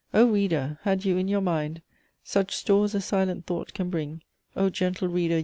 "O Reader! had you in your mind Such stores as silent thought can bring, O gentle Reader!